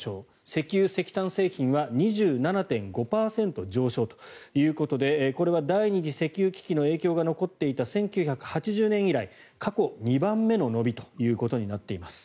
石油・石炭製品は２７．５％上昇ということでこれは第２次石油危機の影響が残っていた１９８０年以来過去２番目の伸びということになっています。